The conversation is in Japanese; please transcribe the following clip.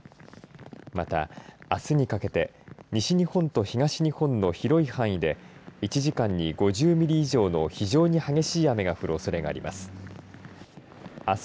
また、あすにかけて西日本と東日本の広い範囲で１時間に５０ミリ以上の非常に激しい雨が降るおそれがあります。